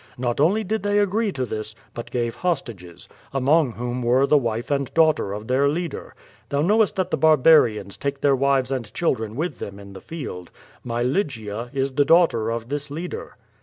Not only did they agree to this, but gave hostages, among whom were the wife and daughter of their leader. Thou knowest that the barbarians take their wives and children with them in the field. My Lygia is the daughter of this leader.'